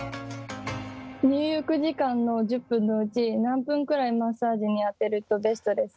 入浴時間の１０分のうち何分くらいマッサージに充てるとベストですか？